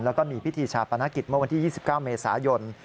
แล้วก็มีพิธีชาปนกิจเมื่อวันที่๒๙เมษายน